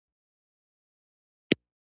ژبه د وجدان ږغ ده.